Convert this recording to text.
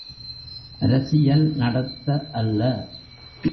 அரசியல் நடத்த அல்ல.